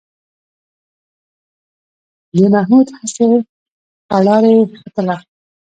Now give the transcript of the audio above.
د محمود هسې ټراري ختله.